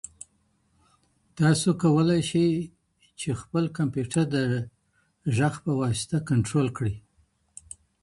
تاسو کولای شئ چې خپل کمپیوټر د غږ په واسطه کنټرول کړئ.